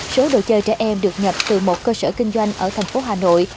số đồ chơi trẻ em được nhập từ một cơ sở kinh doanh ở thành phố hà nội